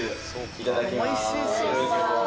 いただきます。